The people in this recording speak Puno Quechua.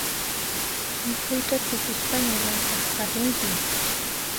Mikhuyta tukuspaña llamk'aqqa rinki